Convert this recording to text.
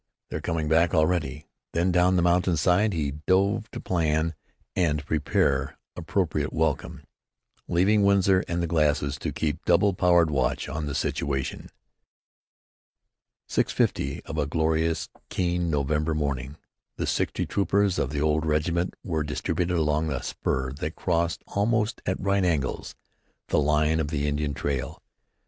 "They're coming back already." Then down the mountain side he dove to plan and prepare appropriate welcome, leaving Winsor and the glasses to keep double powered watch on the situation. Six fifty of a glorious, keen November morning, and sixty troopers of the old regiment were distributed along a spur that crossed, almost at right angles, the line of the Indian trail.